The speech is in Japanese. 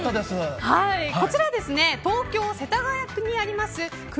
こちら東京・世田谷区にあります